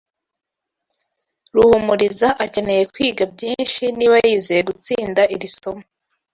Ruhumuriza akeneye kwiga byinshi niba yizeye gutsinda iri somo.